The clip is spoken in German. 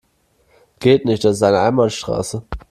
Geht nicht, das ist eine Einbahnstraße.